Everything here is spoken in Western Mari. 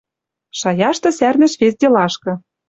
Шаяшты сӓрнӹш вес делашкы».